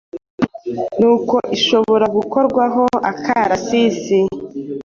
nuko ishobora gukorwaho akarasisi.